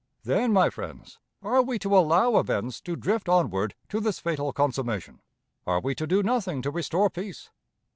Then, my friends, are we to allow events to drift onward to this fatal consummation? Are we to do nothing to restore peace?